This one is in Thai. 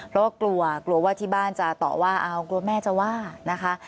เพราะว่ากลัวกลัวว่าที่บ้านจะต่อว่าเอากลัวแม่จะว่านะคะ